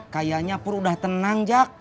kayaknya pur udah tenang jak